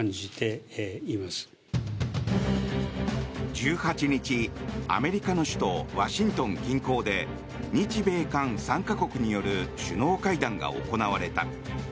１８日アメリカの首都ワシントン近郊で日米韓３か国による首脳会談が行われた。